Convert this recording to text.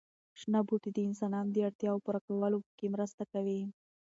شنه بوټي د انسانانو د اړتیاوو پوره کولو کې مرسته کوي.